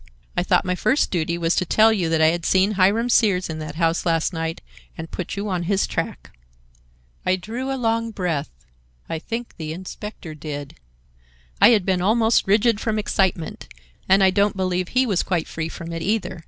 I thought my first duty was to tell you that I had seen Hiram Sears in that house last night and put you on his track." I drew a long breath,—I think the inspector did. I had been almost rigid from excitement, and I don't believe he was quite free from it either.